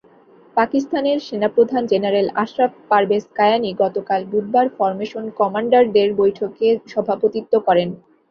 পাকিস্তানের সেনাপ্রধান জেনারেল আশরাফ পারভেজ কায়ানি গতকাল বুধবার ফরমেশন কমান্ডারদের বৈঠকে সভাপতিত্ব করেন।